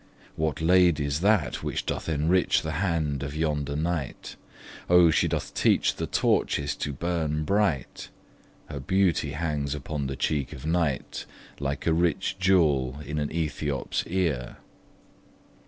What lady's that which doth enrich the hand Of yonder knight? O she doth teach the torches to burn bright; Her beauty hangs upon the cheek of night, Like a rich jewel in an Aethiop's ear.